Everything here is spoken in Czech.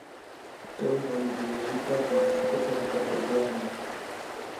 To je velmi důležité hledisko tohoto problému.